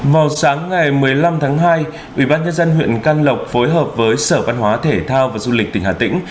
vào sáng ngày một mươi năm tháng hai ubnd huyện can lộc phối hợp với sở văn hóa thể thao và du lịch tỉnh hà tĩnh